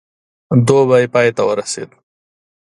دوبی پای ته ورسېدی.